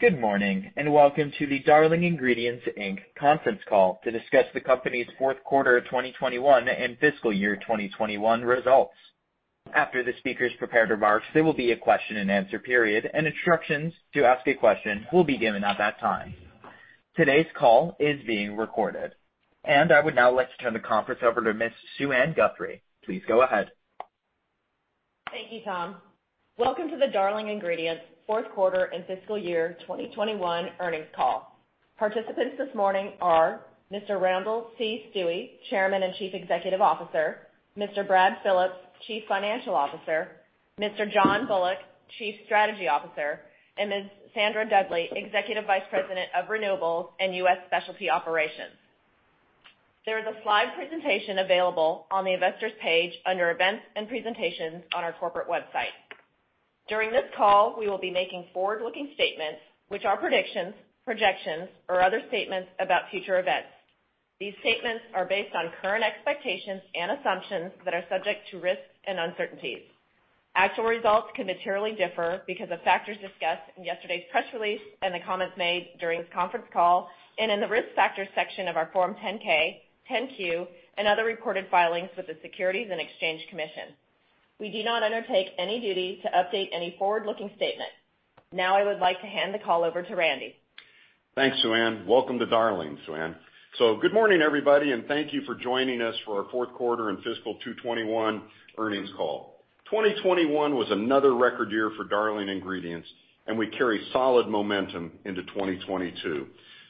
Good morning, and welcome to the Darling Ingredients Inc. conference call to discuss the company's fourth quarter of 2021 and fiscal year 2021 results. After the speakers' prepared remarks, there will be a question-and-answer period, and instructions to ask a question will be given at that time. Today's call is being recorded. I would now like to turn the conference over to Ms. Suann Guthrie. Please go ahead. Thank you, Tom. Welcome to the Darling Ingredients fourth quarter and fiscal year 2021 earnings call. Participants this morning are Mr. Randall C. Stuewe, Chairman and Chief Executive Officer, Mr. Brad Phillips, Chief Financial Officer, Mr. John Bullock, Chief Strategy Officer, and Ms. Sandra Dudley, Executive Vice President of Renewables and U.S. Specialty Operations. There is a slide presentation available on the investors page under Events and Presentations on our corporate website. During this call, we will be making forward-looking statements, which are predictions, projections, or other statements about future events. These statements are based on current expectations and assumptions that are subject to risks and uncertainties. Actual results can materially differ because of factors discussed in yesterday's press release and the comments made during this conference call and in the Risk Factors section of our Form 10-K, 10-Q, and other SEC filings with the Securities and Exchange Commission. We do not undertake any duty to update any forward-looking statement. Now I would like to hand the call over to Randy. Thanks, Sue Ann. Welcome to Darling, Sue Ann. Good morning, everybody, and thank you for joining us for our fourth quarter and fiscal 2021 earnings call. 2021 was another record year for Darling Ingredients, and we carry solid momentum into 2022.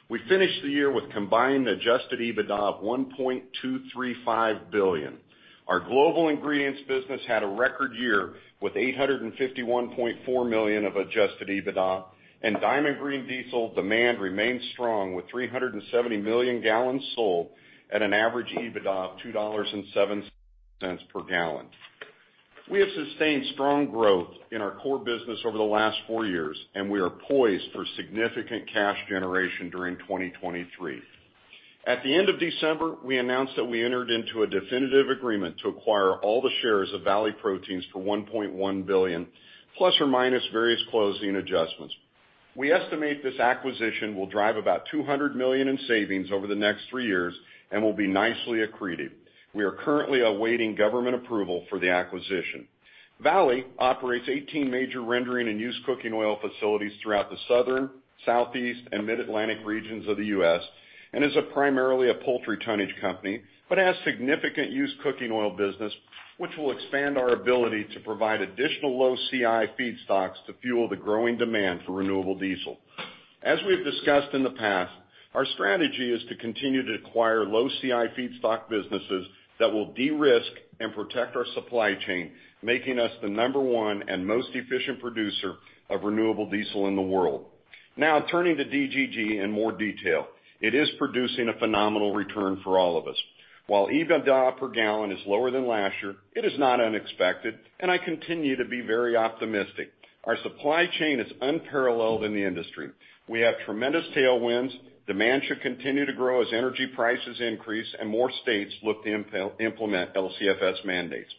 We finished the year with combined Adjusted EBITDA of $1.235 billion. Our global ingredients business had a record year with $851.4 million of Adjusted EBITDA, and Diamond Green Diesel demand remains strong with 370 million gallons sold at an average EBITDA of $2.07 per gallon. We have sustained strong growth in our core business over the last four years, and we are poised for significant cash generation during 2023. At the end of December, we announced that we entered into a definitive agreement to acquire all the shares of Valley Proteins for $1.1 billion ± various closing adjustments. We estimate this acquisition will drive about $200 million in savings over the next three years and will be nicely accreted. We are currently awaiting government approval for the acquisition. Valley operates 18 major rendering and used cooking oil facilities throughout the Southern, Southeast, and Mid-Atlantic regions of the U.S. and is primarily a poultry tonnage company, but has significant used cooking oil business, which will expand our ability to provide additional low CI feedstocks to fuel the growing demand for renewable diesel. As we have discussed in the past, our strategy is to continue to acquire low CI feedstock businesses that will de-risk and protect our supply chain, making us the number one and most efficient producer of renewable diesel in the world. Now, turning to DGD in more detail. It is producing a phenomenal return for all of us. While EBITDA per gallon is lower than last year, it is not unexpected, and I continue to be very optimistic. Our supply chain is unparalleled in the industry. We have tremendous tailwinds. Demand should continue to grow as energy prices increase and more states look to implement LCFS mandates.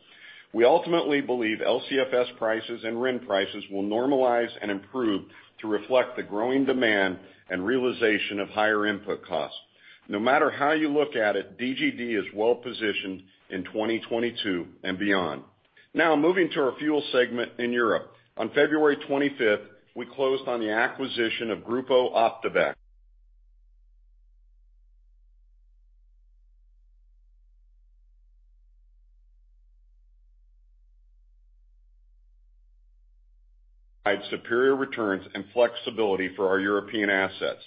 We ultimately believe LCFS prices and RIN prices will normalize and improve to reflect the growing demand and realization of higher input costs. No matter how you look at it, DGD is well positioned in 2022 and beyond. Now, moving to our fuel segment in Europe. On February 25, we closed on the acquisition of Op de Beeck. Superior returns and flexibility for our European assets.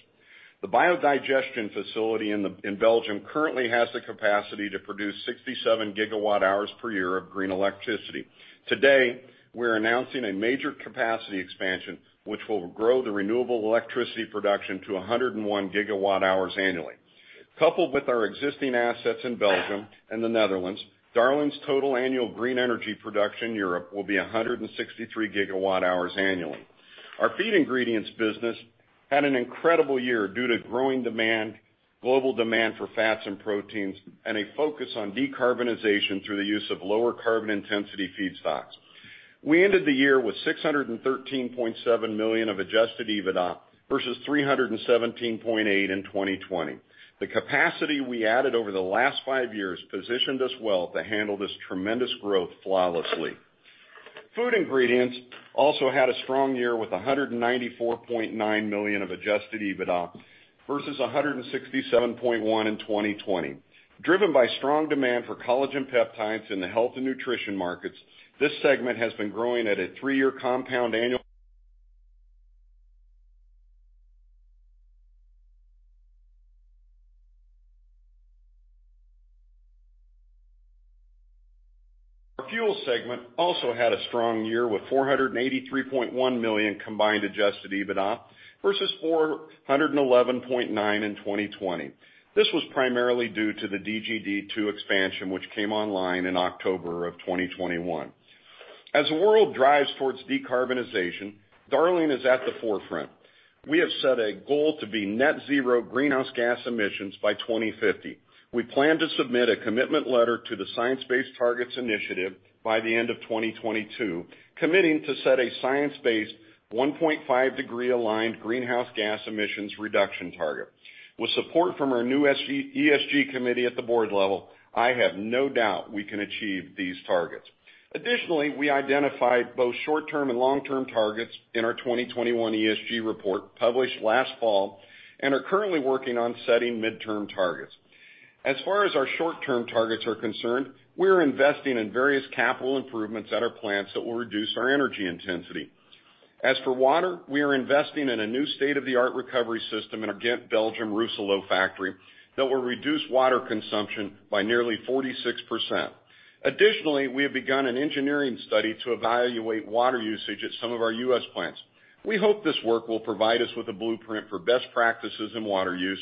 The biodigestion facility in Belgium currently has the capacity to produce 67 GWh per year of green electricity. Today, we're announcing a major capacity expansion, which will grow the renewable electricity production to 101 GWh annually. Coupled with our existing assets in Belgium and the Netherlands, Darling's total annual green energy production in Europe will be 163 GWh annually. Our feed ingredients business had an incredible year due to growing global demand for fats and proteins, and a focus on decarbonization through the use of lower carbon intensity feedstocks. We ended the year with $613.7 million of Adjusted EBITDA versus $317.8 million in 2020. The capacity we added over the last five years positioned us well to handle this tremendous growth flawlessly. Food ingredients also had a strong year with $194.9 million of Adjusted EBITDA versus $167.1 million in 2020. Driven by strong demand for collagen peptides in the health and nutrition markets, this segment has been growing at a three-year compound annual. Our fuel segment also had a strong year with $483.1 million combined Adjusted EBITDA versus $411.9 million in 2020. This was primarily due to the DGD 2 expansion, which came online in October 2021. As the world drives towards decarbonization, Darling is at the forefront. We have set a goal to be net zero greenhouse gas emissions by 2050. We plan to submit a commitment letter to the Science Based Targets initiative by the end of 2022, committing to set a science-based 1.5-degree aligned greenhouse gas emissions reduction target. With support from our new ESG committee at the board level, I have no doubt we can achieve these targets. Additionally, we identified both short-term and long-term targets in our 2021 ESG report published last fall and are currently working on setting midterm targets. As far as our short-term targets are concerned, we are investing in various capital improvements at our plants that will reduce our energy intensity. As for water, we are investing in a new state-of-the-art recovery system in our Ghent, Belgium, Rousselot factory that will reduce water consumption by nearly 46%. Additionally, we have begun an engineering study to evaluate water usage at some of our U.S. plants. We hope this work will provide us with a blueprint for best practices in water use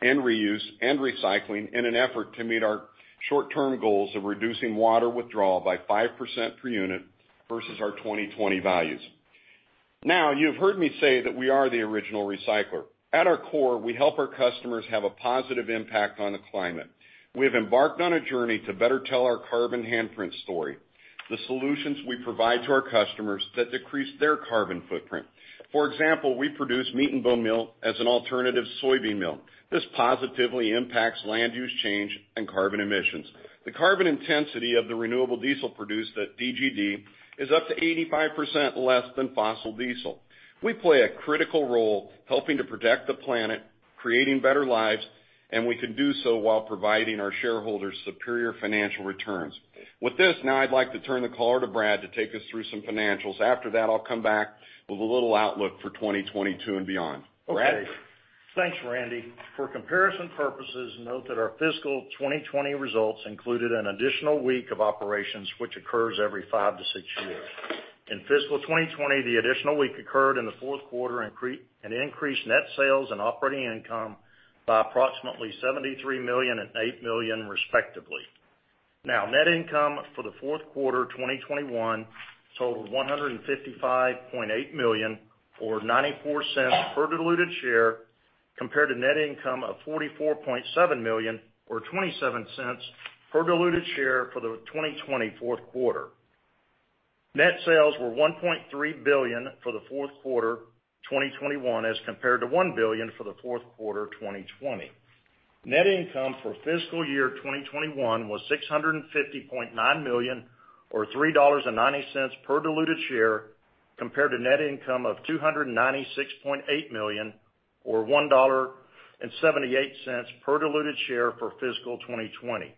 and reuse and recycling in an effort to meet our short-term goals of reducing water withdrawal by 5% per unit versus our 2020 values. Now, you've heard me say that we are the original recycler. At our core, we help our customers have a positive impact on the climate. We have embarked on a journey to better tell our carbon handprint story, the solutions we provide to our customers that decrease their carbon footprint. For example, we produce meat and bone meal as an alternative soybean meal. This positively impacts land use change and carbon emissions. The carbon intensity of the renewable diesel produced at DGD is up to 85% less than fossil diesel. We play a critical role helping to protect the planet, creating better lives, and we can do so while providing our shareholders superior financial returns. With this, now I'd like to turn the call over to Brad to take us through some financials. After that, I'll come back with a little outlook for 2022 and beyond. Brad? Okay. Thanks, Randy. For comparison purposes, note that our fiscal 2020 results included an additional week of operations, which occurs every five to six years. In fiscal 2020, the additional week occurred in the fourth quarter and increased net sales and operating income by approximately $73 million and $8 million, respectively. Now, net income for the fourth quarter 2021 totaled $155.8 million or $0.94 per diluted share compared to net income of $44.7 million or $0.27 per diluted share for the 2020 fourth quarter. Net sales were $1.3 billion for the fourth quarter 2021 as compared to $1 billion for the fourth quarter 2020. Net income for fiscal year 2021 was $650.9 million or $3.90 per diluted share compared to net income of $296.8 million or $1.78 per diluted share for fiscal 2020.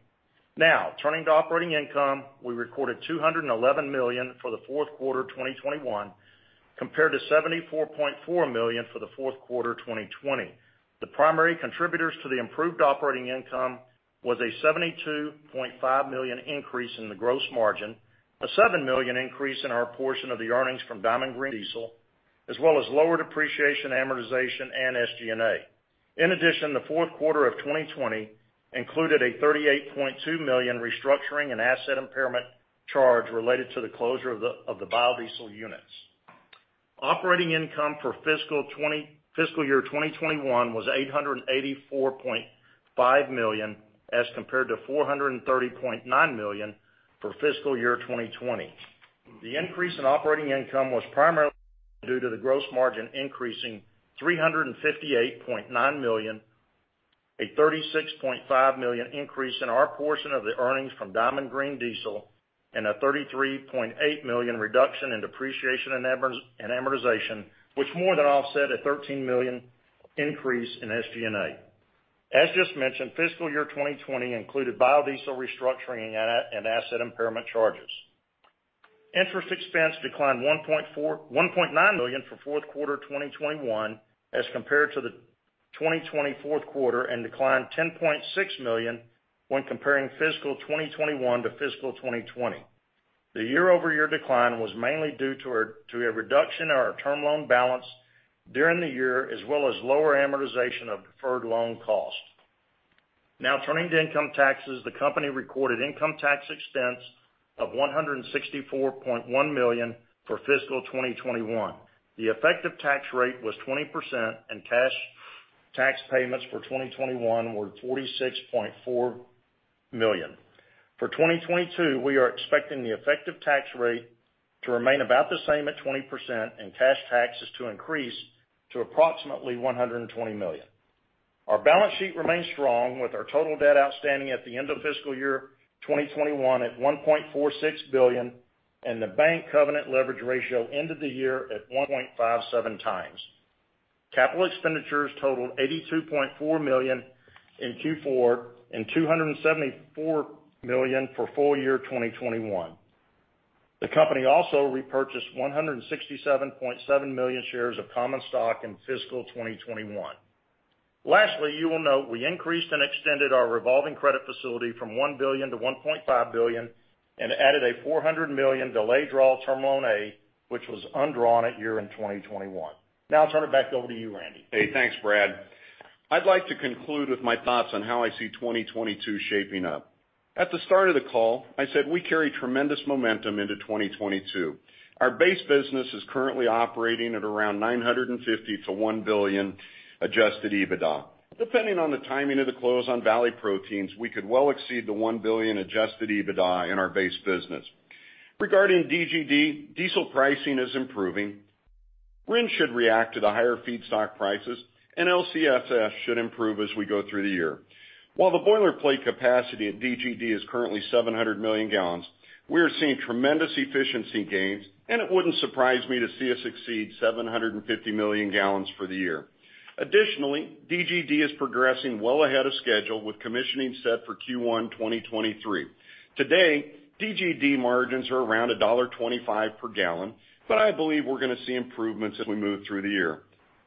Now, turning to operating income, we recorded $211 million for the fourth quarter 2021 compared to $74.4 million for the fourth quarter 2020. The primary contributors to the improved operating income was a $72.5 million increase in the gross margin, a $7 million increase in our portion of the earnings from Diamond Green Diesel, as well as lower depreciation, amortization, and SG&A. In addition, the fourth quarter of 2020 included a $38.2 million restructuring and asset impairment charge related to the closure of the biodiesel units. Operating income for fiscal year 2021 was $884.5 million as compared to $430.9 million for fiscal year 2020. The increase in operating income was primarily due to the gross margin increasing $358.9 million, a $36.5 million increase in our portion of the earnings from Diamond Green Diesel, and a $33.8 million reduction in depreciation and amortization, which more than offset a $13 million increase in SG&A. As just mentioned, fiscal year 2020 included biodiesel restructuring and asset impairment charges. Interest expense declined $1.9 million for fourth quarter 2021 as compared to the 2020 fourth quarter and declined $10.6 million when comparing fiscal year 2021 to fiscal year 2020. The year-over-year decline was mainly due to a reduction in our term loan balance during the year as well as lower amortization of deferred loan costs. Now turning to income taxes, the company recorded income tax expense of $164.1 million for fiscal 2021. The effective tax rate was 20%, and cash tax payments for 2021 were $46.4 million. For 2022, we are expecting the effective tax rate to remain about the same at 20% and cash taxes to increase to approximately $120 million. Our balance sheet remains strong with our total debt outstanding at the end of fiscal year 2021 at $1.46 billion and the bank covenant leverage ratio ended the year at 1.57 times. Capital expenditures totaled $82.4 million in Q4 and $274 million for full year 2021. The company also repurchased $167.7 million shares of common stock in fiscal 2021. Lastly, you will note we increased and extended our revolving credit facility from $1 billion-$1.5 billion and added a $400 million delayed draw term loan A, which was undrawn at year-end 2021. Now I'll turn it back over to you, Randy. Hey, thanks, Brad. I'd like to conclude with my thoughts on how I see 2022 shaping up. At the start of the call, I said we carry tremendous momentum into 2022. Our base business is currently operating at around $950 million-$1 billion Adjusted EBITDA. Depending on the timing of the close on Valley Proteins, we could well exceed the $1 billion Adjusted EBITDA in our base business. Regarding DGD, diesel pricing is improving. RIN should react to the higher feedstock prices, and LCFS should improve as we go through the year. While the nameplate capacity at DGD is currently 700 million gallons, we are seeing tremendous efficiency gains, and it wouldn't surprise me to see us exceed 750 million gallons for the year. Additionally, DGD is progressing well ahead of schedule, with commissioning set for Q1 2023. Today, DGD margins are around $1.25 per gallon, but I believe we're gonna see improvements as we move through the year.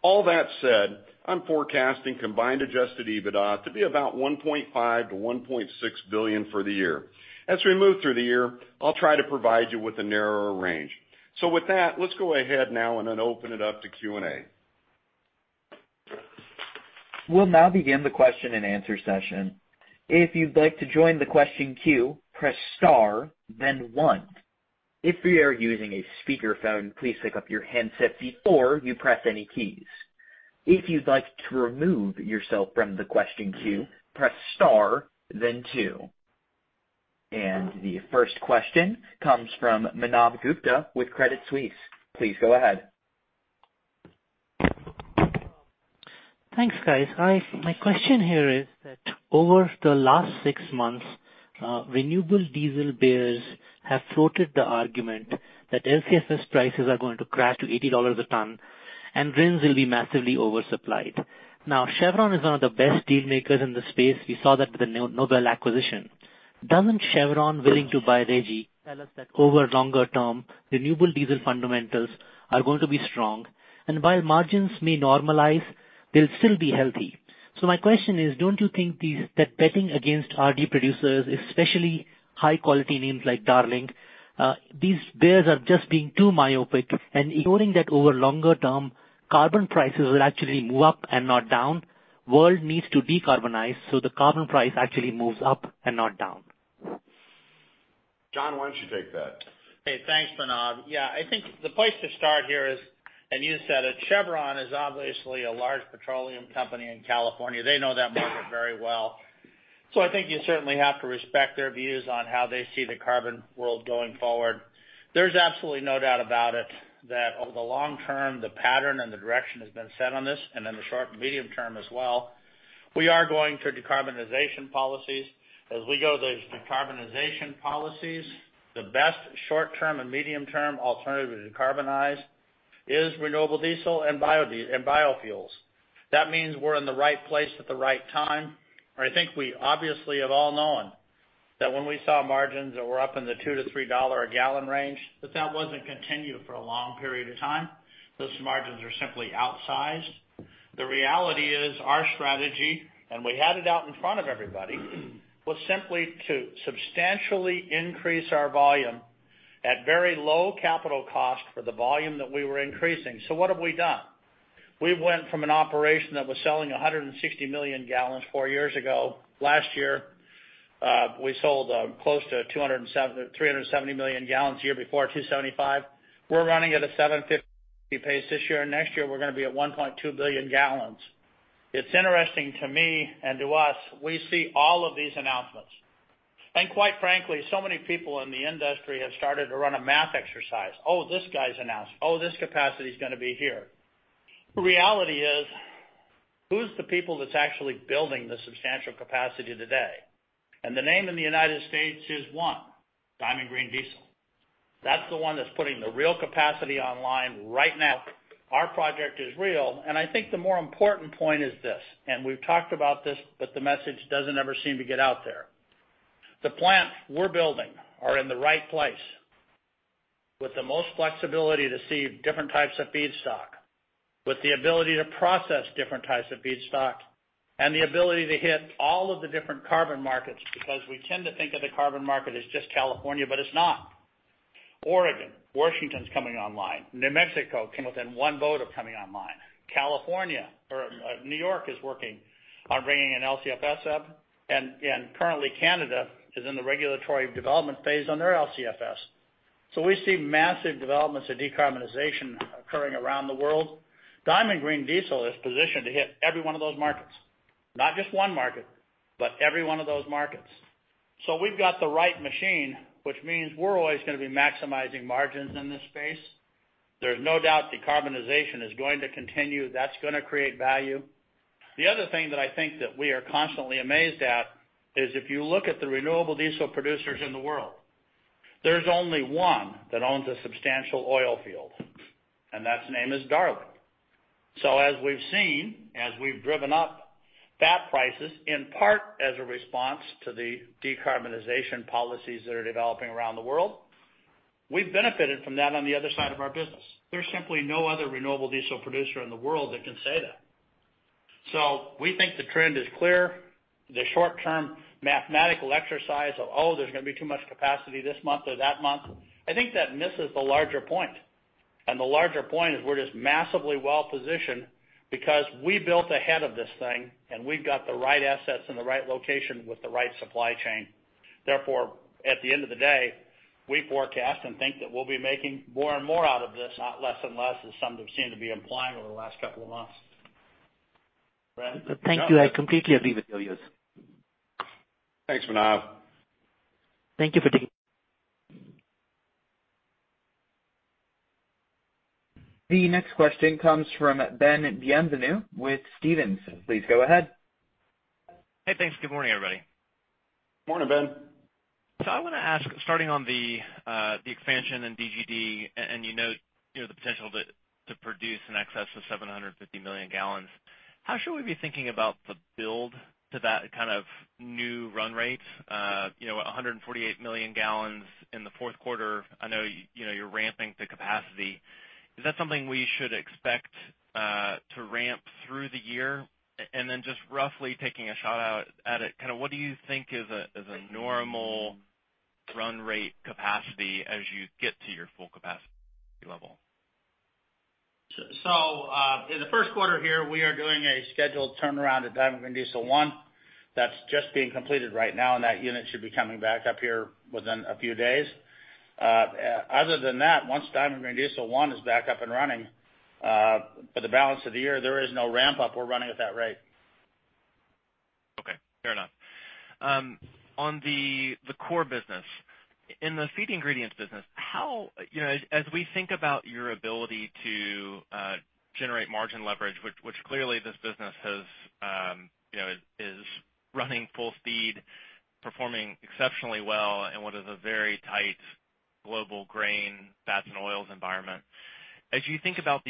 All that said, I'm forecasting combined Adjusted EBITDA to be about $1.5 billion-$1.6 billion for the year. As we move through the year, I'll try to provide you with a narrower range. With that, let's go ahead now and then open it up to Q&A. We'll now begin the question-and-answer session. If you'd like to join the question queue, press star, then one. If you are using a speakerphone, please pick up your handset before you press any keys. If you'd like to remove yourself from the question queue, press star, then two. The first question comes from Manav Gupta with Credit Suisse. Please go ahead. Thanks, guys. Hi, my question here is that over the last six months, renewable diesel bears have floated the argument that LCFS prices are going to crash to $80 a ton and RINs will be massively oversupplied. Now, Chevron is one of the best dealmakers in this space. We saw that with the Ne-Nobel acquisition. Doesn't Chevron willing to buy REG tell us that over longer term, renewable diesel fundamentals are going to be strong, and while margins may normalize, they'll still be healthy. My question is, don't you think that betting against RD producers, especially high-quality names like Darling, these bears are just being too myopic and ignoring that over longer term, carbon prices will actually move up and not down? World needs to decarbonize so the carbon price actually moves up and not down. John, why don't you take that? Hey, thanks, Manav. Yeah, I think the place to start here is, and you said it, Chevron is obviously a large petroleum company in California. They know that market very well. I think you certainly have to respect their views on how they see the carbon world going forward. There's absolutely no doubt about it that over the long term, the pattern and the direction has been set on this and in the short and medium term as well. We are going through decarbonization policies. As we go through decarbonization policies, the best short-term and medium-term alternative to decarbonize is renewable diesel and biofuels. That means we're in the right place at the right time, and I think we obviously have all known that when we saw margins that were up in the $2-$3 a gallon range, that that wasn't continued for a long period of time. Those margins are simply outsized. The reality is our strategy, and we had it out in front of everybody, was simply to substantially increase our volume at very low capital cost for the volume that we were increasing. What have we done? We went from an operation that was selling 160 million gallons four years ago. Last year, we sold close to 370 million gallons, the year before, 275. We're running at a 750 pace this year. Next year, we're gonna be at 1.2 billion gallons. It's interesting to me and to us, we see all of these announcements. Quite frankly, so many people in the industry have started to run a math exercise. Oh, this guy's announced. Oh, this capacity is gonna be here. The reality is, who's the people that's actually building the substantial capacity today? The name in the United States is one, Diamond Green Diesel. That's the one that's putting the real capacity online right now. Our project is real, and I think the more important point is this, and we've talked about this, but the message doesn't ever seem to get out there. The plants we're building are in the right place with the most flexibility to see different types of feedstock, with the ability to process different types of feedstock, and the ability to hit all of the different carbon markets. Because we tend to think of the carbon market as just California, but it's not. Oregon, Washington's coming online. New Mexico came within one vote of coming online. California or New York is working on bringing an LCFS up. Currently, Canada is in the regulatory development phase on their LCFS. We see massive developments in decarbonization occurring around the world. Diamond Green Diesel is positioned to hit every one of those markets. Not just one market, but every one of those markets. We've got the right machine, which means we're always gonna be maximizing margins in this space. There's no doubt decarbonization is going to continue. That's gonna create value. The other thing that I think that we are constantly amazed at is if you look at the renewable diesel producers in the world, there's only one that owns a substantial oil field, and that name is Darling. As we've seen, as we've driven up fat prices, in part as a response to the decarbonization policies that are developing around the world, we've benefited from that on the other side of our business. There's simply no other renewable diesel producer in the world that can say that. We think the trend is clear. The short term mathematical exercise of, oh, there's gonna be too much capacity this month or that month, I think that misses the larger point. The larger point is we're just massively well-positioned because we built ahead of this thing, and we've got the right assets in the right location with the right supply chain. Therefore, at the end of the day, we forecast and think that we'll be making more and more out of this, not less and less, as some have seemed to be implying over the last couple of months. Brad? Thank you. I completely agree with you guys. Thanks, Manav. Thank you for taking my question. The next question comes from Ben Bienvenu with Stephens. Please go ahead. Hey, thanks. Good morning, everybody. Morning, Ben. I wanna ask, starting on the expansion in DGD, and you note, you know, the potential to produce in excess of 750 million gallons. How should we be thinking about the build to that kind of new run rate? You know, 148 million gallons in the fourth quarter. I know, you know, you're ramping to capacity. Is that something we should expect to ramp through the year? And then just roughly taking a shot at it, kinda what do you think is a normal run rate capacity as you get to your full capacity level? In the first quarter here, we are doing a scheduled turnaround at Diamond Green Diesel One that's just being completed right now, and that unit should be coming back up here within a few days. Other than that, once Diamond Green Diesel One is back up and running, for the balance of the year, there is no ramp-up. We're running at that rate. Okay, fair enough. On the core business. In the feed ingredients business, how, you know, as we think about your ability to generate margin leverage, which clearly this business has, you know, is running full speed, performing exceptionally well in what is a very tight global grain, fats and oils environment. As you think about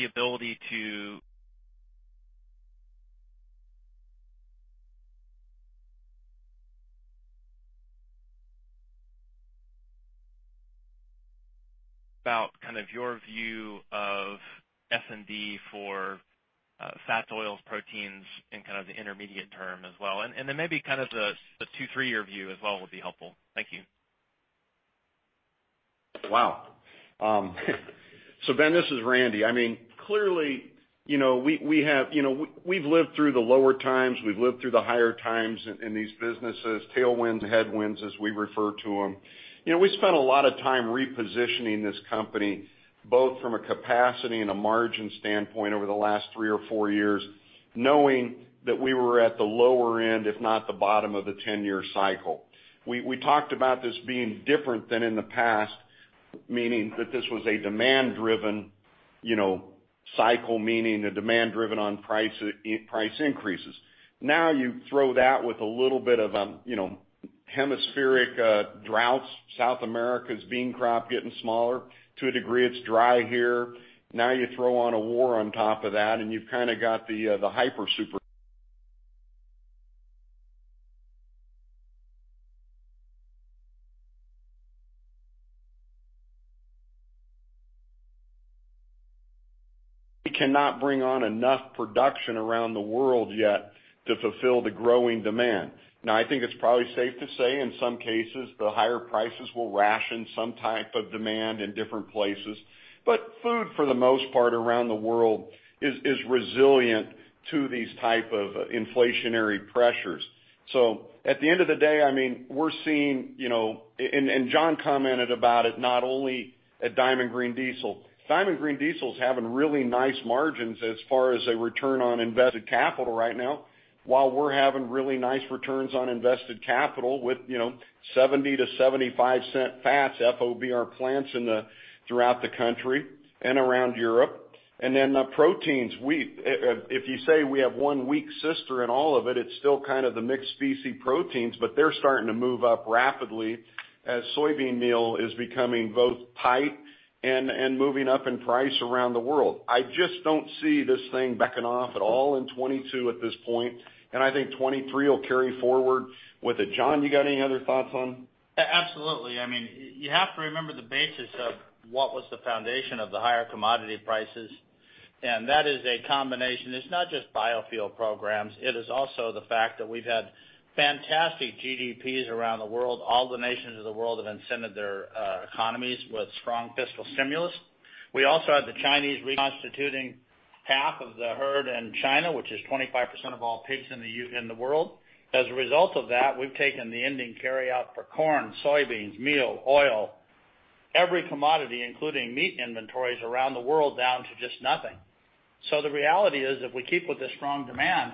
kind of your view of S&D for fats, oils, proteins in kind of the intermediate term as well, and then maybe kind of the 2-3-year view as well would be helpful. Thank you. Wow. Ben, this is Randy. I mean, clearly, you know, we have you know, we've lived through the lower times, we've lived through the higher times in these businesses, tailwinds and headwinds, as we refer to 'em. You know, we spent a lot of time repositioning this company, both from a capacity and a margin standpoint over the last three or four years, knowing that we were at the lower end, if not the bottom, of a 10-year cycle. We talked about this being different than in the past, meaning that this was a demand driven, you know, cycle, meaning a demand driven on price increases. Now, you throw that with a little bit of, you know, hemispheric droughts, South America's bean crop getting smaller. To a degree, it's dry here. Now, you throw on a war on top of that, and you've kinda got We cannot bring on enough production around the world yet to fulfill the growing demand. Now, I think it's probably safe to say in some cases, the higher prices will ration some type of demand in different places. Food, for the most part around the world, is resilient to these type of inflationary pressures. At the end of the day, I mean, we're seeing, you know, and John commented about it, not only at Diamond Green Diesel. Diamond Green Diesel is having really nice margins as far as a return on invested capital right now, while we're having really nice returns on invested capital with, you know, $0.70-$0.75 fats, FOB our plants throughout the country and around Europe. Then the proteins, if you say we have one weak sister in all of it's still kind of the mixed species proteins, but they're starting to move up rapidly as soybean meal is becoming both tight and moving up in price around the world. I just don't see this thing backing off at all in 2022 at this point, and I think 2023 will carry forward with it. John, you got any other thoughts on? Absolutely. I mean, you have to remember the basis of what was the foundation of the higher commodity prices, and that is a combination. It's not just biofuel programs, it is also the fact that we've had fantastic GDPs around the world. All the nations of the world have incentivized their economies with strong fiscal stimulus. We also have the Chinese reconstituting half of the herd in China, which is 25% of all pigs in the world. As a result of that, we've taken the ending carryout for corn, soybeans, meal, oil, every commodity, including meat inventories around the world, down to just nothing. The reality is, if we keep with the strong demand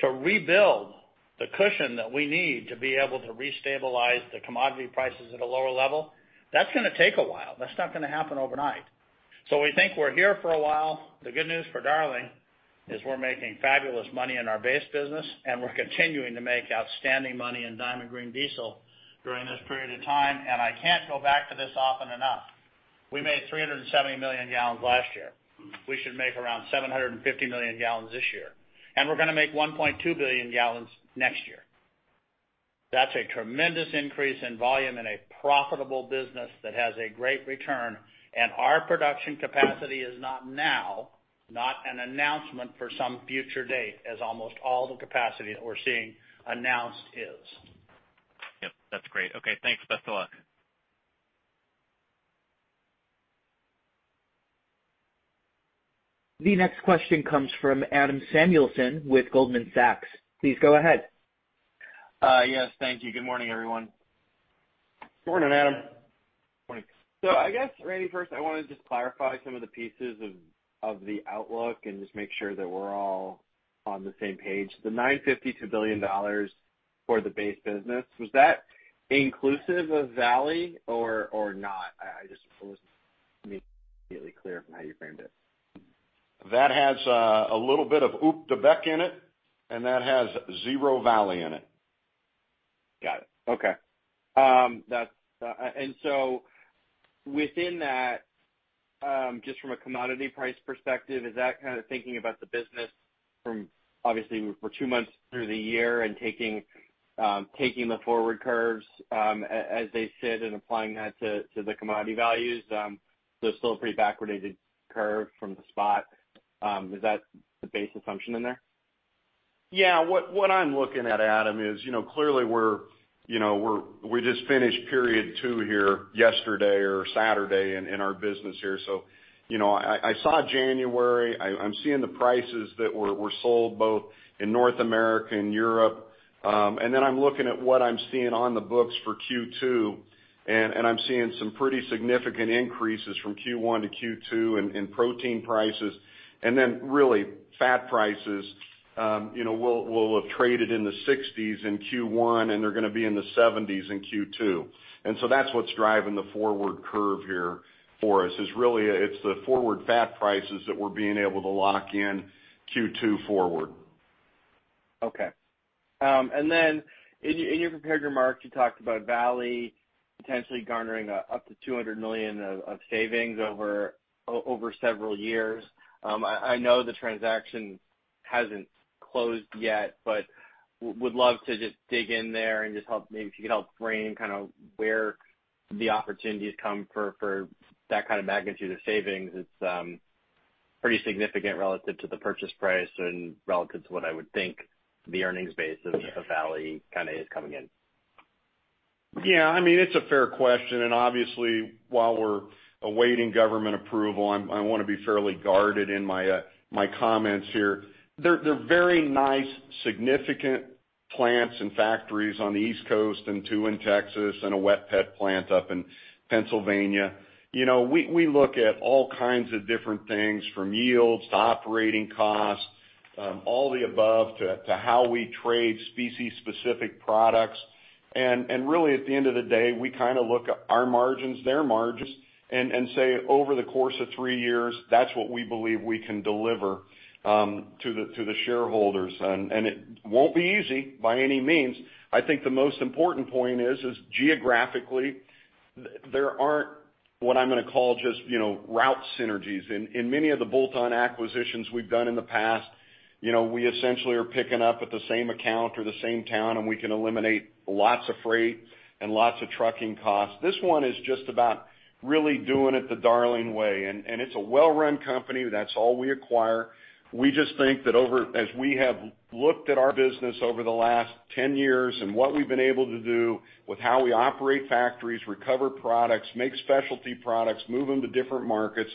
to rebuild the cushion that we need to be able to restabilize the commodity prices at a lower level, that's gonna take a while. That's not gonna happen overnight. We think we're here for a while. The good news for Darling is we're making fabulous money in our base business, and we're continuing to make outstanding money in Diamond Green Diesel during this period of time. I can't go back to this often enough. We made 370 million gallons last year. We should make around 750 million gallons this year. We're gonna make 1.2 billion gallons next year. That's a tremendous increase in volume in a profitable business that has a great return, and our production capacity is not now, not an announcement for some future date, as almost all the capacity that we're seeing announced is Yep, that's great. Okay, thanks. Best of luck. The next question comes from Adam Samuelson with Goldman Sachs. Please go ahead. Yes, thank you. Good morning, everyone. Good morning, Adam. Morning. I guess, Randy, first, I wanna just clarify some of the pieces of the outlook and just make sure that we're all on the same page. The $9.52 billion for the base business, was that inclusive of Valley or not? I just wasn't immediately clear from how you framed it. That has a little bit of Op de Beeck in it, and that has zero Valley Proteins in it. Got it. Okay. Within that, just from a commodity price perspective, is that kinda thinking about the business from obviously we're two months through the year and taking the forward curves as they sit and applying that to the commodity values, they're still pretty backwardated curve from the spot. Is that the base assumption in there? Yeah. What I'm looking at, Adam, is, you know, clearly we're, you know, we just finished period two here yesterday or Saturday in our business here. You know, I saw January. I'm seeing the prices that were sold both in North America and Europe. Then I'm looking at what I'm seeing on the books for Q2, and I'm seeing some pretty significant increases from Q1 to Q2 in protein prices. Then really fat prices, you know, will have traded in the 60s in Q1, and they're gonna be in the 70s in Q2. That's what's driving the forward curve here for us, is really it's the forward fat prices that we're being able to lock in Q2 forward. Okay. Then in your prepared remarks, you talked about Valley potentially garnering up to $200 million of savings over several years. I know the transaction hasn't closed yet, but would love to just dig in there and just help, maybe if you could help frame kinda where the opportunities come from for that kind of magnitude of savings. It's pretty significant relative to the purchase price and relative to what I would think the earnings base of Valley kinda is coming in. Yeah, I mean, it's a fair question. Obviously, while we're awaiting government approval, I wanna be fairly guarded in my comments here. They're very nice, significant plants and factories on the East Coast and two in Texas and a wet pet plant up in Pennsylvania. You know, we look at all kinds of different things from yields to operating costs, all the above, to how we trade species-specific products. Really at the end of the day, we kinda look at our margins, their margins, and say, over the course of three years, that's what we believe we can deliver to the shareholders. It won't be easy by any means. I think the most important point is geographically there aren't what I'm gonna call just, you know, route synergies. In many of the bolt-on acquisitions we've done in the past, you know, we essentially are picking up at the same account or the same town, and we can eliminate lots of freight and lots of trucking costs. This one is just about really doing it the Darling way. It's a well-run company. That's all we acquire. We just think that as we have looked at our business over the last 10 years and what we've been able to do with how we operate factories, recover products, make specialty products, move them to different markets,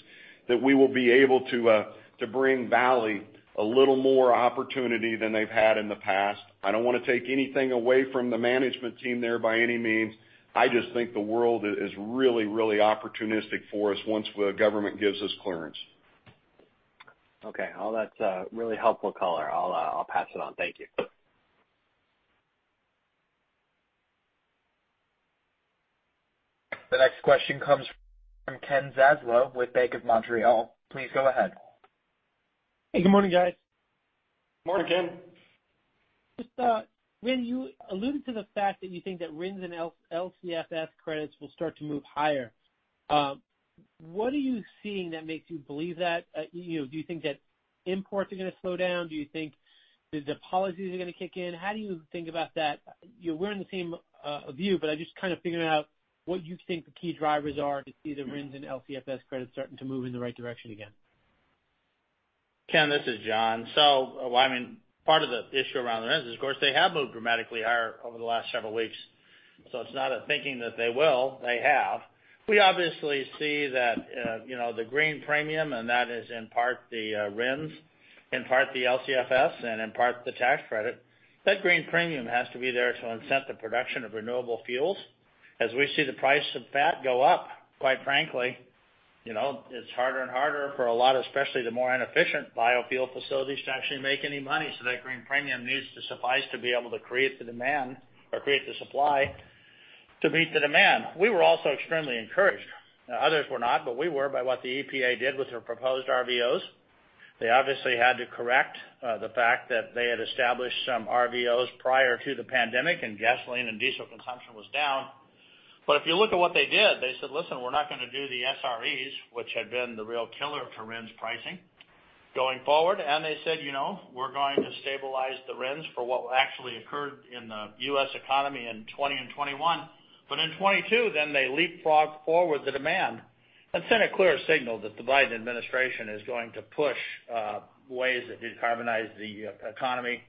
that we will be able to to bring Valley a little more opportunity than they've had in the past. I don't wanna take anything away from the management team there by any means. I just think the world is really, really opportunistic for us once the government gives us clearance. Okay. Well, that's really helpful color. I'll pass it on. Thank you. The next question comes from Ken Zaslow with BMO Capital Markets. Please go ahead. Hey, good morning, guys. Morning, Ken. Just, Randy, you alluded to the fact that you think that RINs and LCFS credits will start to move higher. What are you seeing that makes you believe that? You know, do you think that imports are gonna slow down? Do you think the policies are gonna kick in? How do you think about that? You know, we're in the same view, but I'm just kind of figuring out what you think the key drivers are to see the RINs and LCFS credits starting to move in the right direction again. Ken, this is John. Well, I mean, part of the issue around the RINs is, of course, they have moved dramatically higher over the last several weeks. It's not a thinking that they will, they have. We obviously see that, you know, the green premium, and that is in part the RINs, in part the LCFS, and in part the tax credit. That green premium has to be there to incent the production of renewable fuels. As we see the price of fat go up, quite frankly, you know, it's harder and harder for a lot, especially the more inefficient biofuel facilities to actually make any money. That green premium needs to suffice to be able to create the demand or create the supply to meet the demand. We were also extremely encouraged. Others were not, but we were by what the EPA did with their proposed RVOs. They obviously had to correct the fact that they had established some RVOs prior to the pandemic and gasoline and diesel consumption was down. If you look at what they did, they said, "Listen, we're not gonna do the SREs," which had been the real killer to RINs pricing going forward. They said, "You know, we're going to stabilize the RINs for what actually occurred in the U.S. economy in 2020 and 2021." In 2022, then they leapfrogged forward the demand That sent a clear signal that the Biden administration is going to push ways that decarbonize the economy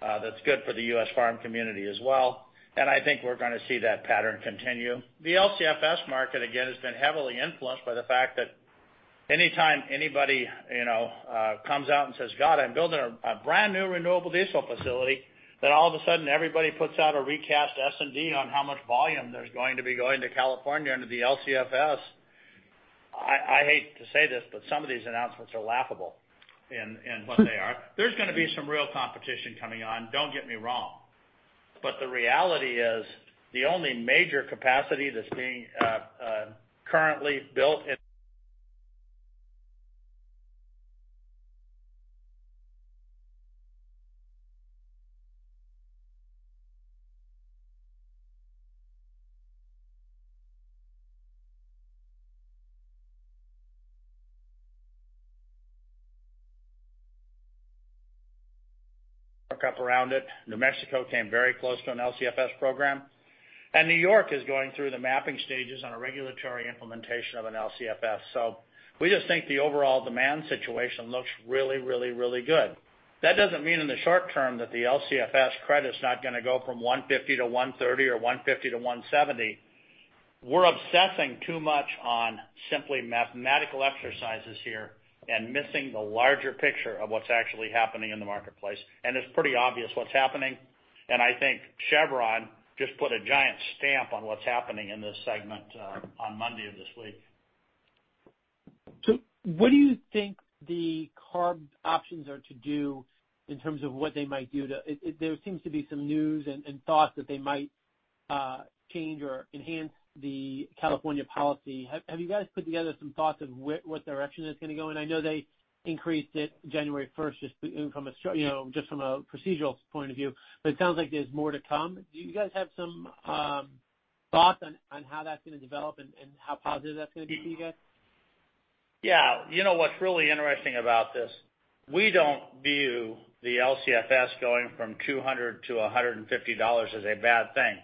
that's good for the U.S. farm community as well. I think we're gonna see that pattern continue. The LCFS market, again, has been heavily influenced by the fact that anytime anybody, you know, comes out and says, "God, I'm building a brand-new renewable diesel facility," then all of a sudden everybody puts out a recast S&D on how much volume there's going to be going to California under the LCFS. I hate to say this, but some of these announcements are laughable in what they are. There's gonna be some real competition coming on, don't get me wrong. The reality is the only major capacity that's being currently built in and around it. New Mexico came very close to an LCFS program. New York is going through the mapping stages on a regulatory implementation of an LCFS. We just think the overall demand situation looks really, really, really good. That doesn't mean in the short term that the LCFS credit's not gonna go from $150 to $130 or $150 to $170. We're obsessing too much on simply mathematical exercises here and missing the larger picture of what's actually happening in the marketplace. It's pretty obvious what's happening. I think Chevron just put a giant stamp on what's happening in this segment on Monday of this week. What do you think the CARB options are to do in terms of what they might do to. There seems to be some news and thoughts that they might change or enhance the California policy. Have you guys put together some thoughts of what direction it's gonna go in? I know they increased it January first, just from a procedural point of view. It sounds like there's more to come. Do you guys have some thoughts on how that's gonna develop and how positive that's gonna be for you guys? Yeah. You know what's really interesting about this? We don't view the LCFS going from $200-$150 as a bad thing.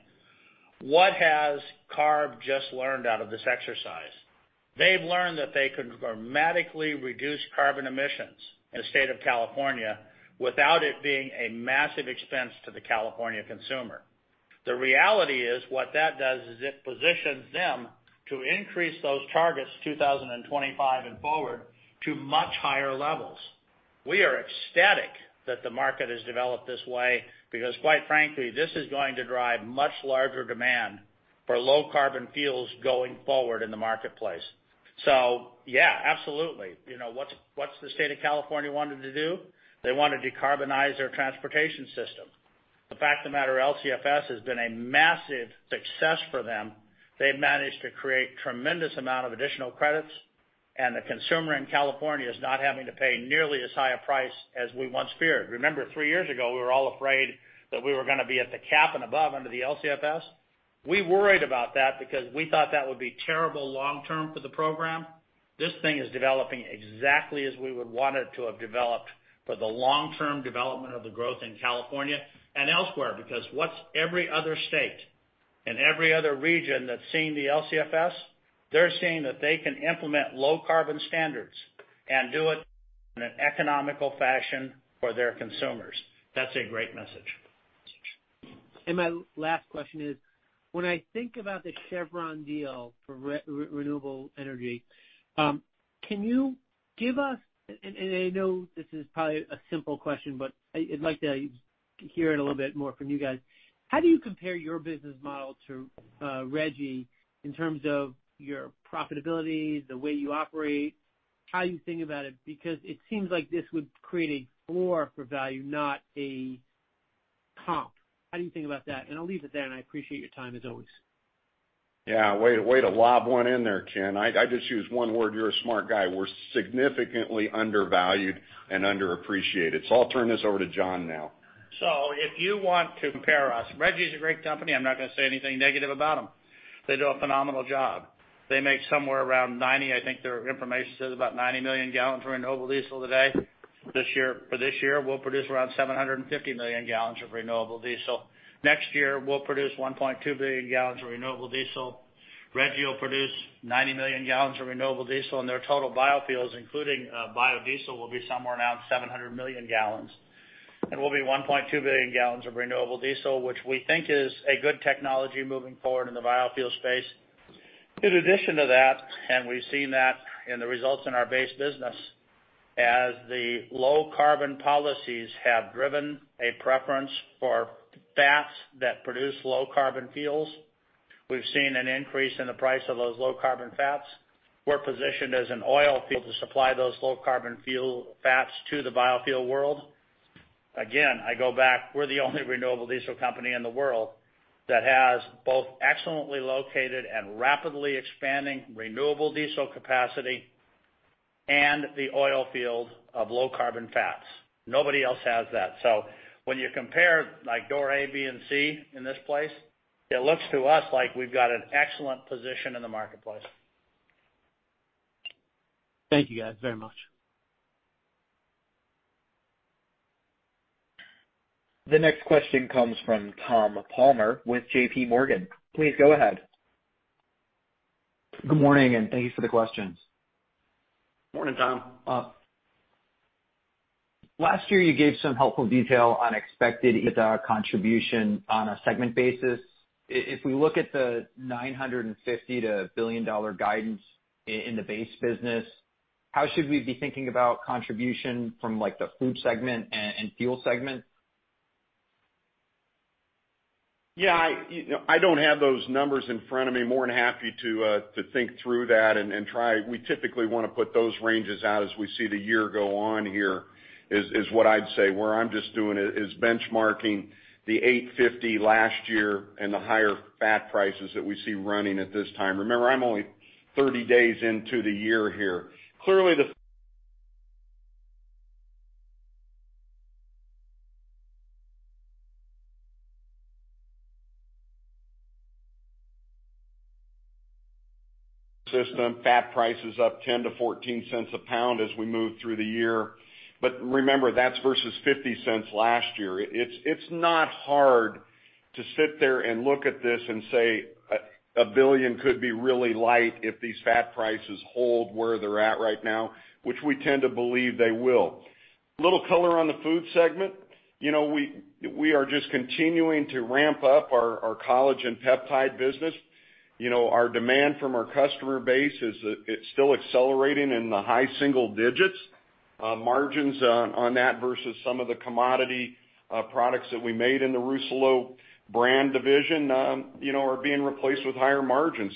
What has CARB just learned out of this exercise? They've learned that they can dramatically reduce carbon emissions in the state of California without it being a massive expense to the California consumer. The reality is what that does is it positions them to increase those targets 2025 and forward to much higher levels. We are ecstatic that the market has developed this way because quite frankly, this is going to drive much larger demand for low carbon fuels going forward in the marketplace. Yeah, absolutely. You know, what's the state of California wanting to do? They wanna decarbonize their transportation system. The fact of the matter, LCFS has been a massive success for them. They've managed to create tremendous amount of additional credits, and the consumer in California is not having to pay nearly as high a price as we once feared. Remember three years ago, we were all afraid that we were gonna be at the cap and above under the LCFS. We worried about that because we thought that would be terrible long term for the program. This thing is developing exactly as we would want it to have developed for the long-term development of the growth in California and elsewhere. Because what's every other state and every other region that's seeing the LCFS? They're seeing that they can implement low carbon standards and do it in an economical fashion for their consumers. That's a great message. My last question is, when I think about the Chevron deal for Renewable Energy Group, I know this is probably a simple question, but I'd like to hear it a little bit more from you guys. How do you compare your business model to REG in terms of your profitability, the way you operate, how you think about it? Because it seems like this would create a floor for value, not a comp. How do you think about that? I'll leave it there, and I appreciate your time as always. Yeah, way to lob one in there, Ken. I just use one word. You're a smart guy. We're significantly undervalued and underappreciated. I'll turn this over to John now. If you want to compare us, REG's a great company. I'm not gonna say anything negative about them. They do a phenomenal job. They make somewhere around 90, I think their information says about 90 million gallons for renewable diesel today. This year, we'll produce around 750 million gallons of renewable diesel. Next year, we'll produce 1.2 billion gallons of renewable diesel. REG will produce 90 million gallons of renewable diesel, and their total biofuels, including biodiesel, will be somewhere around 700 million gallons. We'll be 1.2 billion gallons of renewable diesel, which we think is a good technology moving forward in the biofuel space. In addition to that, and we've seen that in the results in our base business, as the low carbon policies have driven a preference for fats that produce low carbon fuels, we've seen an increase in the price of those low carbon fats. We're positioned as an oil field to supply those low carbon fuel fats to the biofuel world. Again, I go back, we're the only renewable diesel company in the world that has both excellently located and rapidly expanding renewable diesel capacity and the oil field of low carbon fats. Nobody else has that. When you compare like door A, B, and C in this place, it looks to us like we've got an excellent position in the marketplace. Thank you guys very much. The next question comes from Thomas Palmer with JPMorgan. Please go ahead. Good morning, and thank you for the questions. Morning, Tom. Last year you gave some helpful detail on expected EBITDA contribution on a segment basis. If we look at the $950 million-$1 billion guidance in the base business, how should we be thinking about contribution from, like, the food segment and fuel segment? Yeah, you know, I don't have those numbers in front of me. More than happy to think through that and try. We typically wanna put those ranges out as we see the year go on here, is what I'd say. What I'm just doing is benchmarking the $8.50 last year and the higher fat prices that we see running at this time. Remember, I'm only 30 days into the year here. Clearly, the system fat price is up $0.10-$0.14 a pound as we move through the year. Remember, that's versus $0.50 last year. It's not hard to sit there and look at this and say $1 billion could be really light if these fat prices hold where they're at right now, which we tend to believe they will. A little color on the food segment. You know, we are just continuing to ramp up our collagen peptide business. You know, our demand from our customer base is still accelerating in the high single digits%. Margins on that versus some of the commodity products that we made in the Rousselot brand division, you know, are being replaced with higher margins.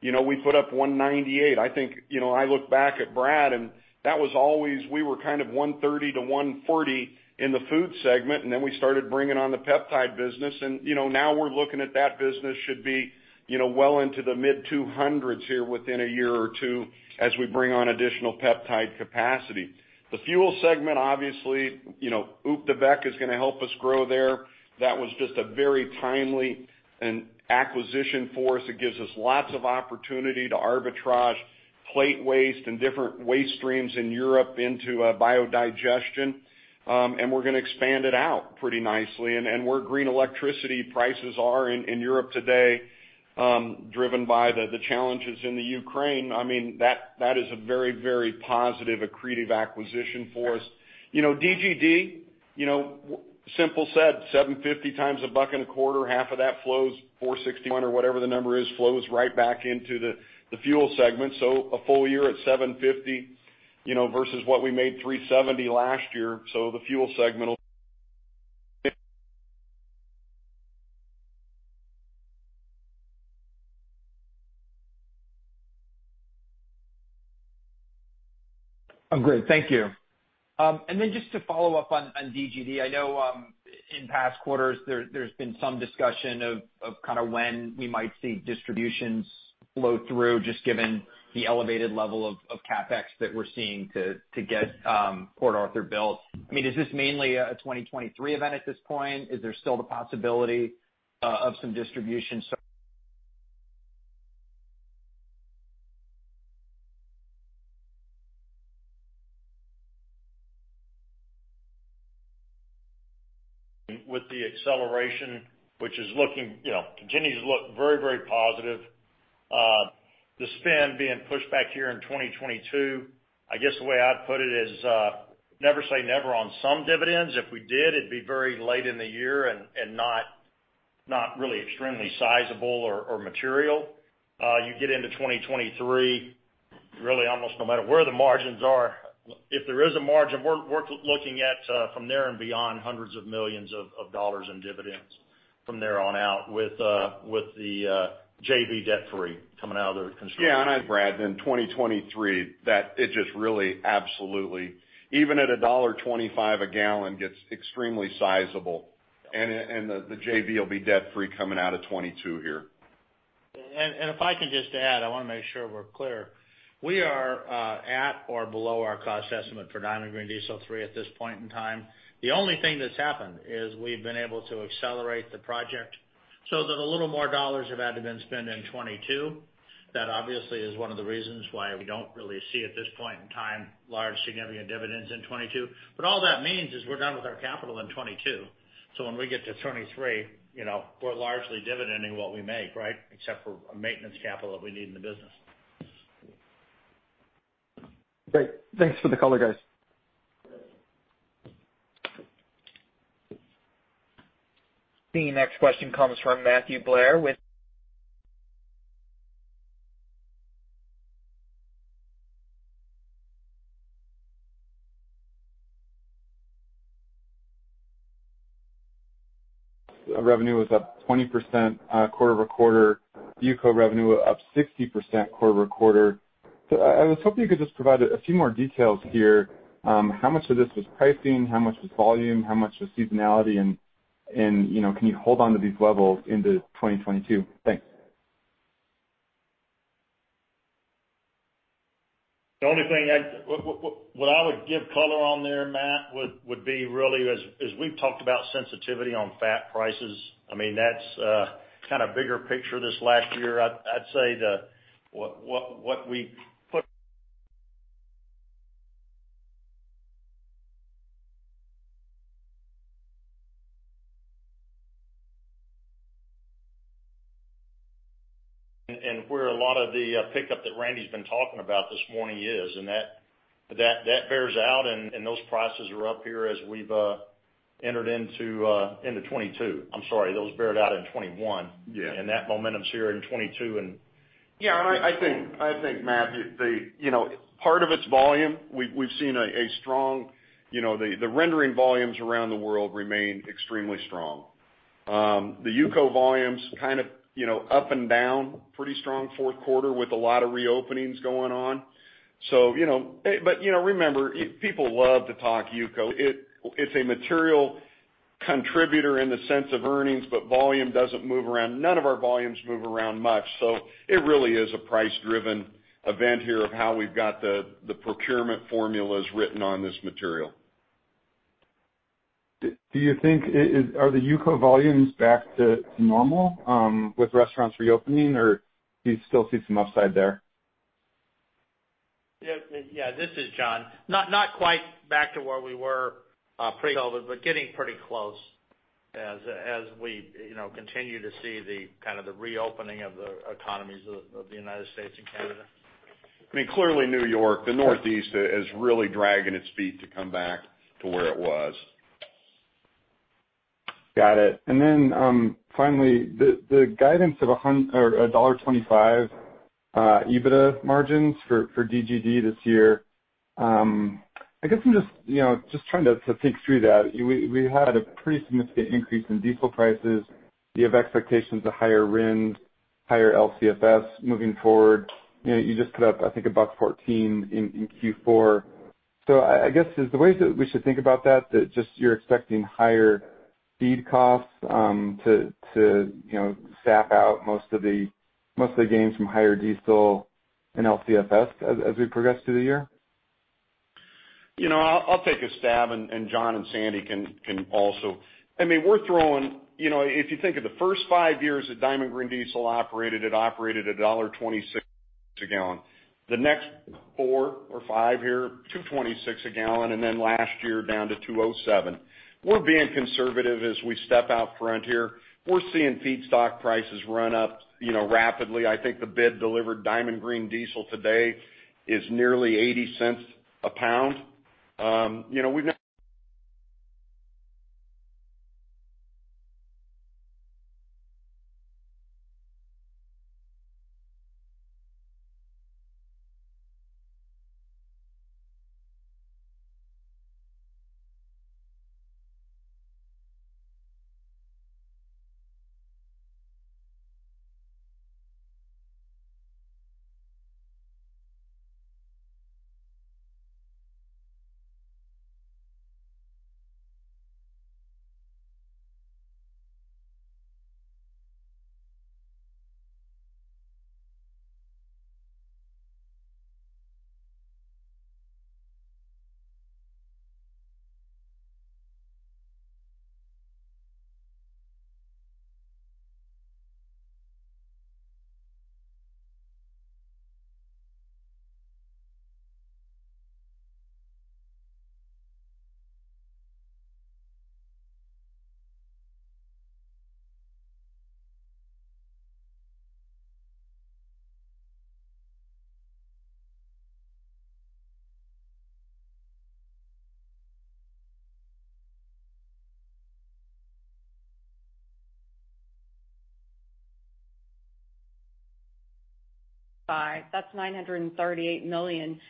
You know, we put up $198. I think, you know, I look back at Brad, and that was always, we were kind of $130-$140 in the Food segment, and then we started bringing on the peptide business. You know, now we're looking at that business should be, you know, well into the mid-200s here within a year or two as we bring on additional peptide capacity. The fuel segment, obviously, you know, Op de Beeck is gonna help us grow there. That was just a very timely acquisition for us. It gives us lots of opportunity to arbitrage plate waste and different waste streams in Europe into biodigestion. We're gonna expand it out pretty nicely. Where green electricity prices are in Europe today, driven by the challenges in Ukraine, I mean, that is a very, very positive accretive acquisition for us. You know, DGD, you know, simply said, 750 times $1.25, half of that flows, $461 or whatever the number is, flows right back into the Fuel segment. A full year at $750, you know, versus what we made, $370 last year. The Fuel segment will Great. Thank you. Just to follow up on DGD. I know in past quarters there's been some discussion of kind of when we might see distributions flow through, just given the elevated level of CapEx that we're seeing to get Port Arthur built. I mean, is this mainly a 2023 event at this point? Is there still the possibility of some distribution With the acceleration, which is looking, you know, continues to look very, very positive. The spend being pushed back here in 2022, I guess the way I'd put it is, never say never on some dividends. If we did, it'd be very late in the year and not really extremely sizable or material. You get into 2023, really almost no matter where the margins are, if there is a margin, we're looking at from there and beyond, hundreds of millions of dollars in dividends from there on out with the JV debt-free coming out of the construction. Yeah, and Brad, in 2023, that just really absolutely, even at $1.25 a gallon, gets extremely sizable. The JV will be debt-free coming out of 2022 here. If I can just add, I want to make sure we're clear. We are at or below our cost estimate for Diamond Green Diesel three at this point in time. The only thing that's happened is we've been able to accelerate the project so that a little more dollars have had to be spent in 2022. That obviously is one of the reasons why we don't really see at this point in time large significant dividends in 2022. All that means is we're done with our capital in 2022. When we get to 2023, you know, we're largely dividending what we make, right? Except for a maintenance capital that we need in the business. Great. Thanks for the color, guys. The next question comes from Matthew Blair with Revenue was up 20%, quarter-over-quarter. UCO revenue up 60% quarter-over-quarter. I was hoping you could just provide a few more details here. How much of this was pricing? How much was volume? How much was seasonality? And you know, can you hold onto these levels into 2022? Thanks. The only thing I would give color on there, Matt, would be really as we've talked about sensitivity on fat prices. I mean, that's kind of bigger picture this last year. I'd say what we put Where a lot of the pickup that Randy's been talking about this morning is, that bears out and those prices are up here as we've entered into 2022. I'm sorry, those bore out in 2021. Yeah. That momentum's here in 2022. Yeah. I think, Matt, the you know, part of it's volume. We've seen a strong you know, the rendering volumes around the world remain extremely strong. The UCO volumes kind of you know, up and down pretty strong fourth quarter with a lot of reopenings going on. You know, but you know, remember, people love to talk UCO. It's a material contributor in the sense of earnings, but volume doesn't move around. None of our volumes move around much, so it really is a price-driven event here of how we've got the procurement formulas written on this material. Are the UCO volumes back to normal, with restaurants reopening, or do you still see some upside there? This is John. Not quite back to where we were pre-COVID, but getting pretty close as we, you know, continue to see the kind of reopening of the economies of the United States and Canada. I mean, clearly New York, the Northeast is really dragging its feet to come back to where it was. Got it. Finally, the guidance of $1.25 EBITDA margins for DGD this year. I guess I'm just you know just trying to think through that. We had a pretty significant increase in diesel prices. You have expectations of higher RINs, higher LCFS moving forward. You know, you just put up I think $1.14 in Q4. I guess this is the way that we should think about that just you're expecting higher feed costs to you know sap out most of the gains from higher diesel and LCFS as we progress through the year? You know, I'll take a stab and John and Sandy can also. I mean, we're throwing, you know, if you think of the first five years that Diamond Green Diesel operated, it operated at $1.26 a gallon. The next four or five year, $2.26 a gallon, and then last year down to $2.07. We're being conservative as we step out front here. We're seeing feedstock prices run up, you know, rapidly. I think the bid delivered Diamond Green Diesel today is nearly $0.80 a pound. You know, we've never That's $938 million.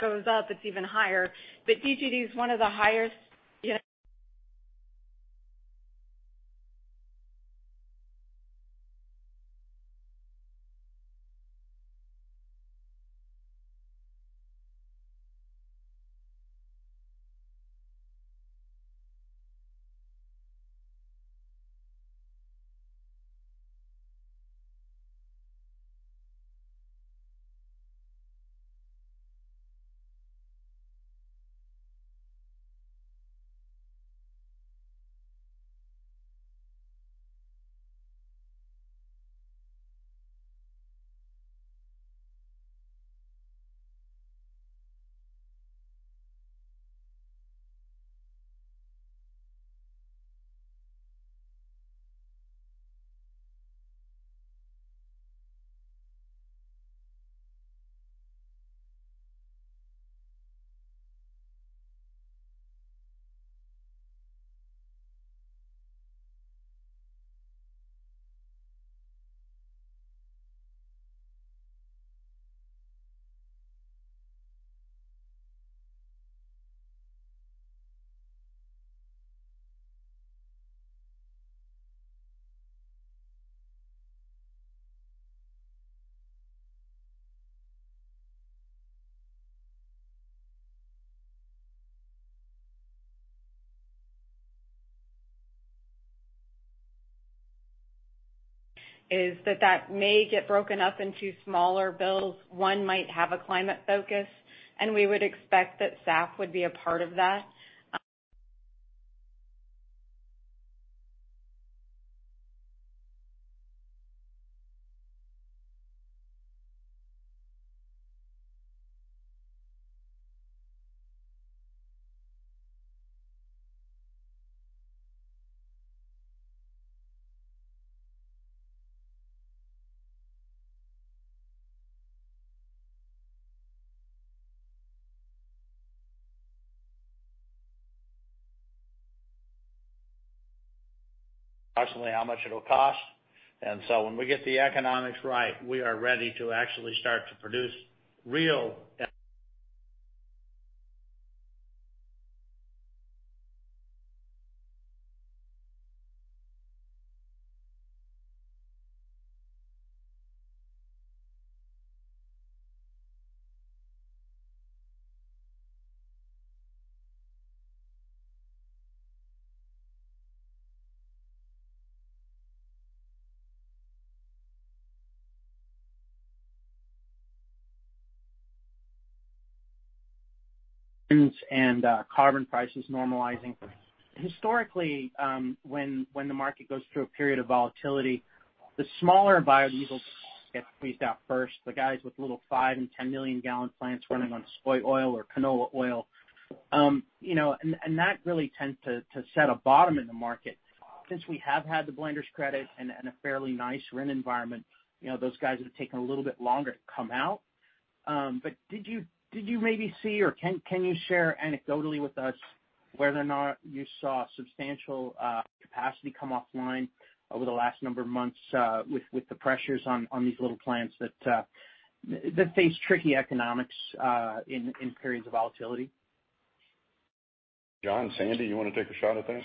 That goes up, it's even higher. DGD is one of the highest, you know- That may get broken up into smaller bills. One might have a climate focus, and we would expect that staff would be a part of that. Approximately how much it'll cost. When we get the economics right, we are ready to actually start to produce real- Carbon prices normalizing. Historically, when the market goes through a period of volatility, the smaller biodiesel gets squeezed out first. The guys with little five and 10 million gallon plants running on soy oil or canola oil. You know, and that really tends to set a bottom in the market. Since we have had the blenders credit and a fairly nice RIN environment, you know, those guys have taken a little bit longer to come out. But did you maybe see or can you share anecdotally with us whether or not you saw substantial capacity come offline over the last number of months, with the pressures on these little plants that that face tricky economics, in periods of volatility? John, Sandy, do you wanna take a shot at that?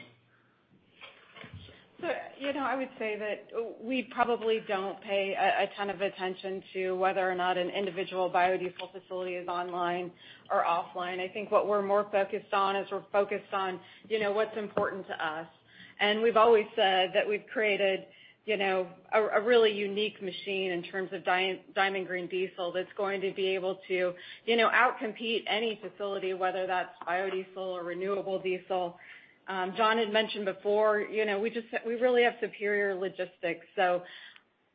You know, I would say that we probably don't pay a ton of attention to whether or not an individual biodiesel facility is online or offline. I think what we're more focused on is, you know, what's important to us. We've always said that we've created, you know, a really unique machine in terms of Diamond Green Diesel that's going to be able to, you know, outcompete any facility, whether that's biodiesel or renewable diesel. John had mentioned before, you know, we really have superior logistics.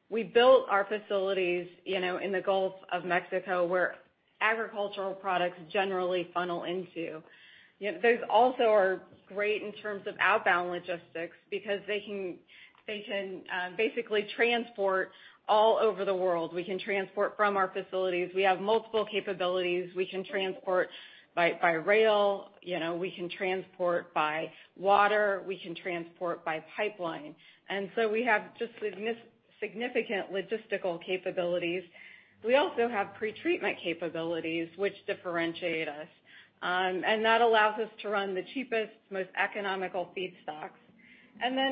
We built our facilities, you know, in the Gulf of Mexico, where agricultural products generally funnel into. You know, those also are great in terms of outbound logistics because they can basically transport all over the world. We can transport from our facilities. We have multiple capabilities. We can transport by rail, you know, we can transport by water, we can transport by pipeline. We have just significant logistical capabilities. We also have pretreatment capabilities which differentiate us, and that allows us to run the cheapest, most economical feedstocks.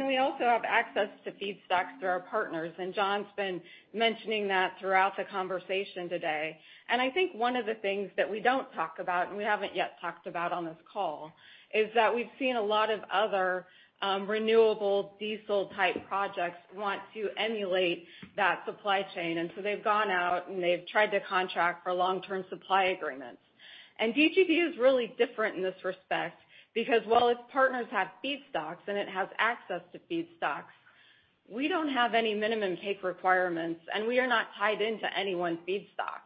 We also have access to feedstocks through our partners, and John's been mentioning that throughout the conversation today. I think one of the things that we don't talk about, and we haven't yet talked about on this call, is that we've seen a lot of other renewable diesel type projects want to emulate that supply chain. They've gone out, and they've tried to contract for long-term supply agreements. DGD is really different in this respect because while its partners have feedstocks, and it has access to feedstocks, we don't have any minimum take requirements, and we are not tied into any one feedstock.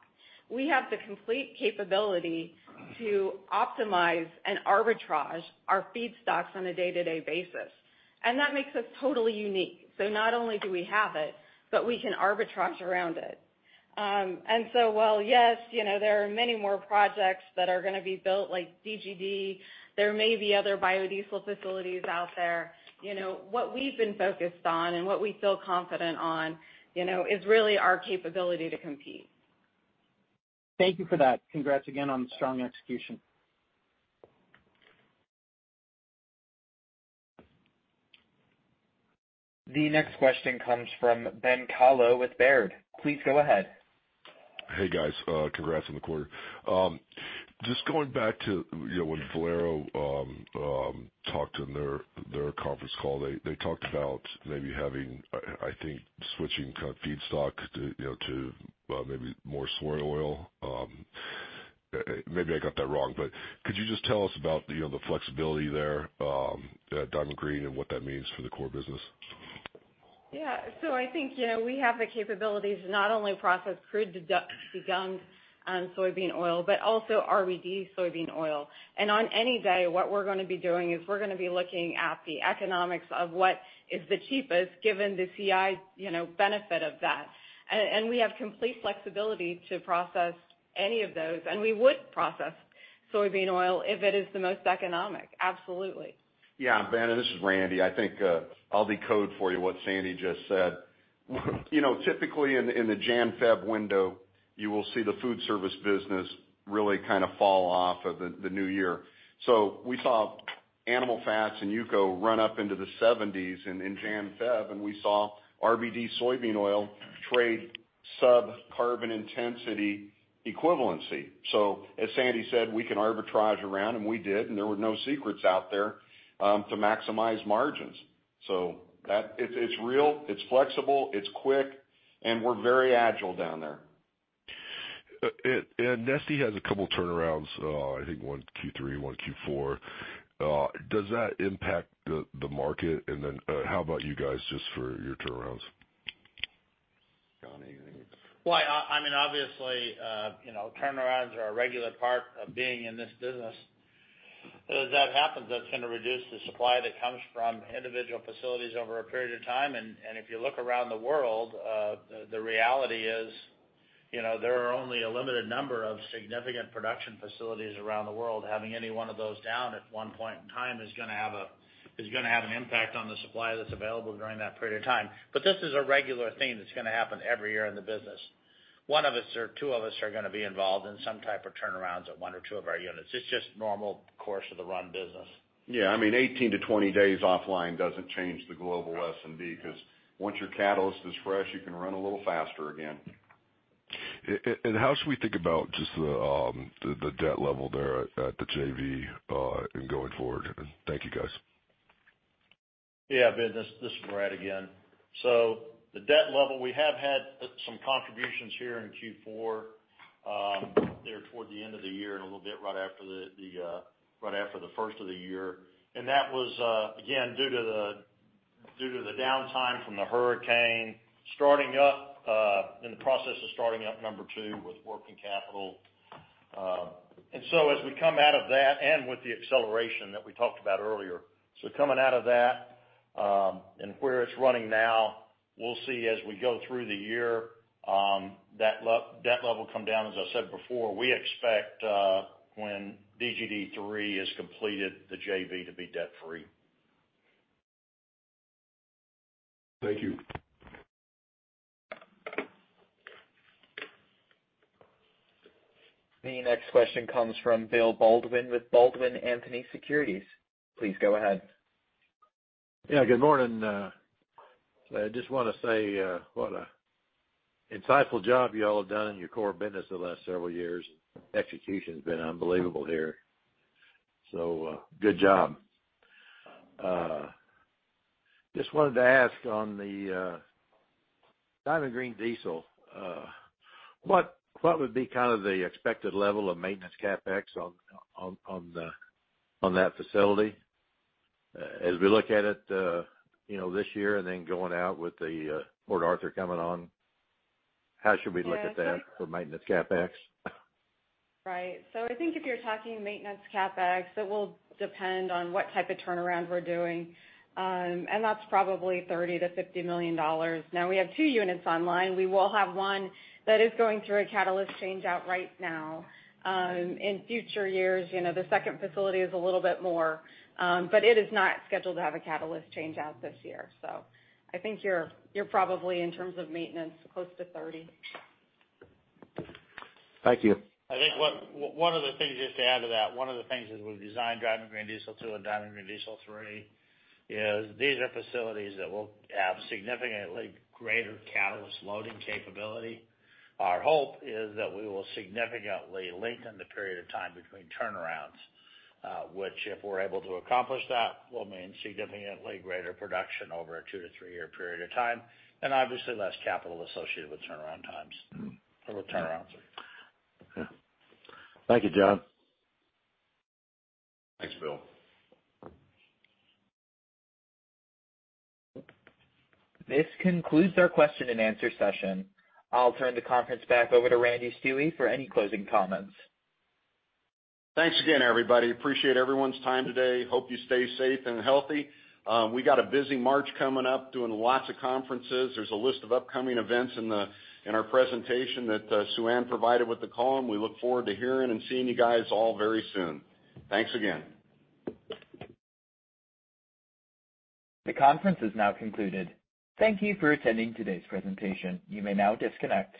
We have the complete capability to optimize and arbitrage our feedstocks on a day-to-day basis, and that makes us totally unique. Not only do we have it, but we can arbitrage around it. While, yes, you know, there are many more projects that are gonna be built like DGD, there may be other biodiesel facilities out there, you know, what we've been focused on and what we feel confident on, you know, is really our capability to compete. Thank you for that. Congrats again on strong execution. The next question comes from Ben Kallo with Baird. Please go ahead. Hey, guys, congrats on the quarter. Just going back to, you know, when Valero talked in their conference call, they talked about maybe having, I think, switching kind of feedstock to, you know, to maybe more soy oil. Maybe I got that wrong, but could you just tell us about, you know, the flexibility there at Diamond Green and what that means for the core business? Yeah. I think, you know, we have the capabilities to not only process crude dedu-degummed soybean oil, but also RBD soybean oil. On any day, what we're gonna be doing is we're gonna be looking at the economics of what is the cheapest given the CI, you know, benefit of that. We have complete flexibility to process any of those, and we would process soybean oil if it is the most economic. Absolutely. Yeah, Ben, this is Randy. I think, I'll decode for you what Sandy just said. You know, typically in the Jan-Feb window, you will see the food service business really kind of fall off of the new year. We saw animal fats and UCO run up into the seventies in Jan, Feb, and we saw RBD soybean oil trade sub-CI equivalency. As Sandy said, we can arbitrage around, and we did, and there were no secrets out there to maximize margins. That it's real, it's flexible, it's quick, and we're very agile down there. Neste has a couple turnarounds, I think one Q3, one Q4. Does that impact the market? How about you guys just for your turnarounds? John, anything? Well, I mean, obviously, you know, turnarounds are a regular part of being in this business. As that happens, that's gonna reduce the supply that comes from individual facilities over a period of time. If you look around the world, the reality is, you know, there are only a limited number of significant production facilities around the world. Having any one of those down at one point in time is gonna have an impact on the supply that's available during that period of time. This is a regular thing that's gonna happen every year in the business. One of us or two of us are gonna be involved in some type of turnarounds at one or two of our units. It's just normal course of the run business. Yeah. I mean, 18-20 days offline doesn't change the global S&D, 'cause once your catalyst is fresh, you can run a little faster again. How should we think about just the debt level there at the JV in going forward? Thank you, guys. Yeah, Ben, this is Brad again. The debt level, we have had some contributions here in Q4, there toward the end of the year and a little bit right after the first of the year. That was again due to the downtime from the hurricane starting up in the process of starting up number two with working capital. As we come out of that and with the acceleration that we talked about earlier, coming out of that and where it's running now, we'll see as we go through the year debt level come down. As I said before, we expect when DGD 3 is completed, the JV to be debt-free. Thank you. The next question comes from William Baldwin with Baldwin Anthony Securities. Please go ahead. Yeah. Good morning. I just wanna say what a insightful job you all have done in your core business the last several years. Execution's been unbelievable here. Good job. Just wanted to ask on the Diamond Green Diesel, what would be kind of the expected level of maintenance CapEx on that facility? As we look at it, you know, this year and then going out with the Port Arthur coming on, how should we look at that for maintenance CapEx? Right. I think if you're talking maintenance CapEx, it will depend on what type of turnaround we're doing. That's probably $30 million-$50 million. Now we have two units online. We will have one that is going through a catalyst change out right now. In future years, you know, the second facility is a little bit more, but it is not scheduled to have a catalyst change out this year. I think you're probably in terms of maintenance, close to $30 million. Thank you. I think one of the things, just to add to that, one of the things as we designed Diamond Green Diesel Two and Diamond Green Diesel Three is these are facilities that will have significantly greater catalyst loading capability. Our hope is that we will significantly lengthen the period of time between turnarounds, which if we're able to accomplish that, will mean significantly greater production over a two to three year period of time, and obviously less capital associated with turnaround times or turnarounds. Thank you, John. Thanks, Will. This concludes our question and answer session. I'll turn the conference back over to Randy C. Stuewe for any closing comments. Thanks again, everybody. Appreciate everyone's time today. Hope you stay safe and healthy. We got a busy March coming up, doing lots of conferences. There's a list of upcoming events in our presentation that Suann provided with the call, and we look forward to hearing and seeing you guys all very soon. Thanks again. The conference is now concluded. Thank you for attending today's presentation. You may now disconnect.